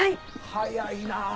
早いな。